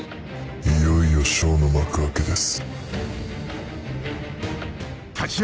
いよいよショーの幕開けです。